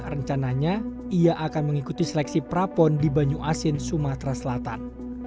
rencananya ia akan mengikuti seleksi prapon di banyu asin sumatera selatan